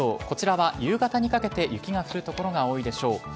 こちらは夕方にかけて雪が降る所が多いでしょう。